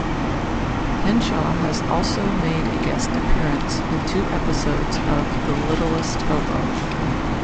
Henshaw has also made a guest appearance in two episodes of "The Littlest Hobo".